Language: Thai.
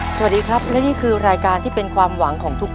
ในแคมเปญพิเศษเกมต่อชีวิตโรงเรียนของหนู